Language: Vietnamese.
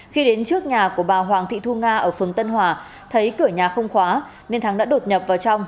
khi đến trước nhà của bà hoàng thị thu nga ở phường tân hòa thấy cửa nhà không khóa nên thắng đã đột nhập vào trong